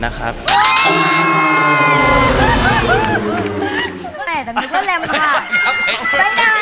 ไม่ตามผิดว่าเร็มกว่า